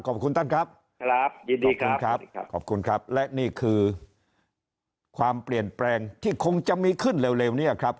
ขอบคุณท่านครับขอบคุณครับและนี่คือความเปลี่ยนแปลงที่คงจะมีขึ้นเร็วนี่ครับ